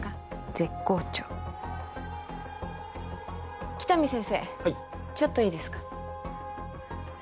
絶好調喜多見先生はいちょっといいですか？